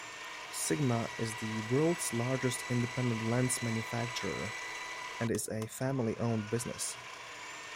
Sigma is the world's largest independent lens manufacturer and is a family-owned business.